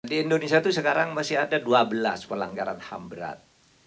di indonesia itu sekarang masih ada dua belas pelanggaran ham berat